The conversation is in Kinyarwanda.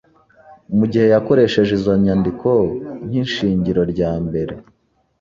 mu gihe yakoresheje izo nyandiko nkishingiro rya mbere